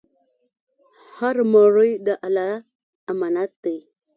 هر مړی د الله امانت دی.